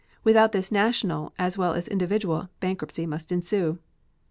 Without this national as well as individual bankruptcy must ensue.